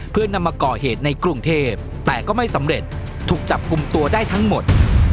เพื่อนำมาก่อเหตุในกรุงเทพแต่ก็ไม่สำเร็จถูกจับกลุ่มตัวได้ทั้งหมด